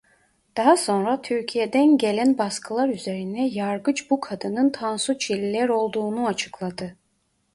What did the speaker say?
Daha sonra Türkiye'den gelen baskılar üzerine yargıç bu kadının Tansu Çiller olduğunu açıkladı.